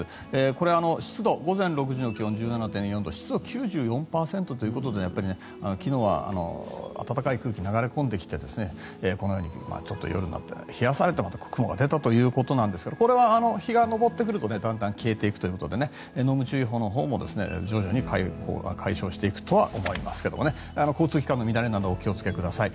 これは湿度午前６時の気温１７．４度湿度９４％ということで昨日は暖かい空気が流れ込んでこのようにちょっと夜になって冷やされた雲が出たということなんですがこれは日が昇ってくるとだんだん消えていくということで濃霧注意報のほうも徐々に解消していくとは思いますけども交通機関の乱れなどにお気をつけください。